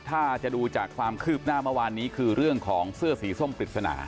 ถ้าจะดูจากความคืบหน้าเมื่อวานนี้คือเรื่องของเสื้อสีส้มปริศนา